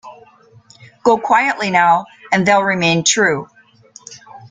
Go quietly now, and they'll remain true.